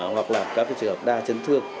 hoặc là các trường hợp đa chấn thương